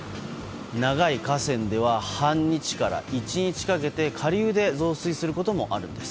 長い河川では半日から１日かけて下流で増水することもあるんです。